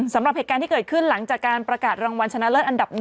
สำหรับเหตุการณ์ที่เกิดขึ้นหลังจากการประกาศรางวัลชนะเลิศอันดับ๑